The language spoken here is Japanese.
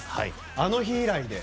あの日以来で。